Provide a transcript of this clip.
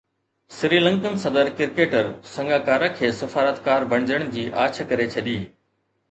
Sri Lankan صدر cricketer Sangakkara کي سفارتڪار بڻجڻ جي آڇ ڪري ڇڏي